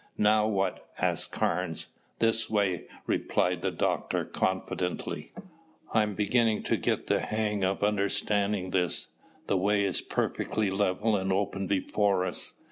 "Now what?" asked Carnes. "This way," replied the doctor confidently. "I'm beginning to get the hang of understanding this. The way is perfectly level and open before us.